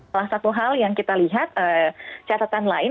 salah satu hal yang kita lihat catatan lain